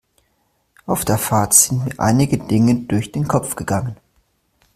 Auf der Fahrt sind mir einige Dinge durch den Kopf gegangen.